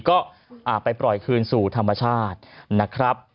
ก็ไปปล่อยคืนสู่ธรรมชาตินะครับ